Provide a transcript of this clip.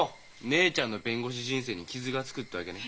姉ちゃんの弁護士人生に傷がつくってわけね。